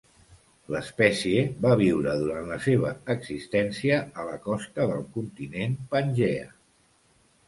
L'espècie va viure durant la seva existència a la costa del continent Pangea.